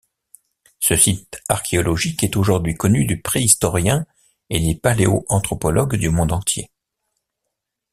Ce site archéologique est aujourd’hui connu des préhistoriens et des paléoanthropologues du monde entier.